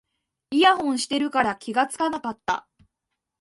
イヤホンしてるから気がつかなかった